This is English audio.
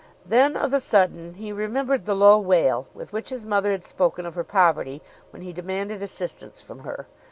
Then, of a sudden, he remembered the low wail with which his mother had spoken of her poverty when he demanded assistance from her.